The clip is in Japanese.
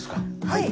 はい。